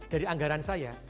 dari anggaran saya